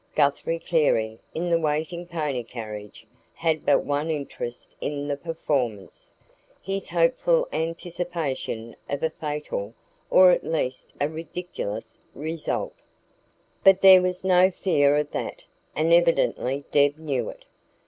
Guthrie Carey, in the waiting pony carriage, had but one interest in the performance his hopeful anticipation of a fatal, or at least a ridiculous, result. But there was no fear of that, and evidently Deb knew it.